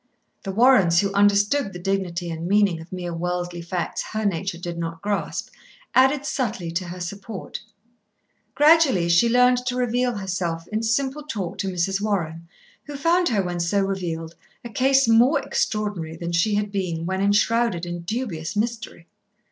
The Warrens, who understood the dignity and meaning of mere worldly facts her nature did not grasp, added subtly to her support. Gradually she learned to reveal herself in simple talk to Mrs. Warren, who found her, when so revealed, a case more extraordinary than she had been when enshrouded in dubious mystery.